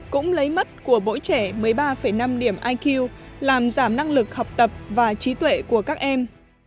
cũng lấy mất của mỗi trẻ một mươi ba năm điểm iq làm giảm năng lực học tập và trí tuệ của các em